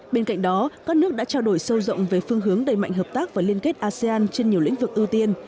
bên cạnh đó các nước đã trao đổi sâu rộng về phương hướng đầy mạnh hợp tác và liên kết asean trên nhiều lĩnh vực ưu tiên